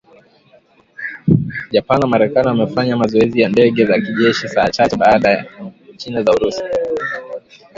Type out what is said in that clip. Japan na Marekani wamefanya mazoezi ya ndege za kijeshi saa chache baada ya China na Urusi